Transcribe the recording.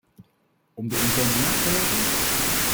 Om de interne markt te helpen?